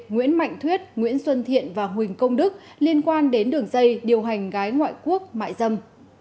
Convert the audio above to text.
nguyễn mạnh thuyết nguyễn xuân thiện và huỳnh công đức liên quan đến đường dây điều hành gái ngoại quốc mại dâm